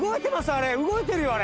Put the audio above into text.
あれ動いてるよあれ！